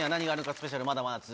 スペシャルまだまだ続きます。